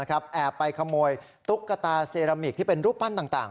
แอบไปขโมยตุ๊กตาเซรามิกที่เป็นรูปปั้นต่าง